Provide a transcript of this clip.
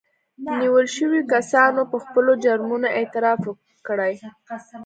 نيول شويو کسانو په خپلو جرمونو اعتراف کړی